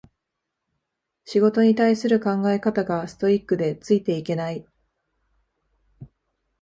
仕事に対する考え方がストイックでついていけない